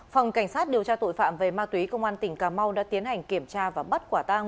phòng cảnh sát điều tra tội phạm về ma túy công an tỉnh cà mau đã tiến hành kiểm tra và bắt quả tang